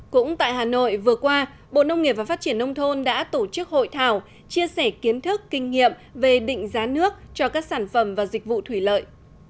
cũng tại hà nội vừa qua bộ nông nghiệp và phát triển nông thôn đã tổ chức hội thảo chia sẻ kiến thức kinh nghiệm về định giá nước cho các sản phẩm và dịch vụ thủy lợi